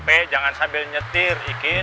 main hp jangan sambil nyetir ikin